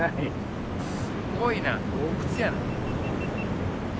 すごいな洞窟やな。